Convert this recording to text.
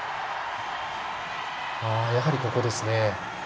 やはりここですね。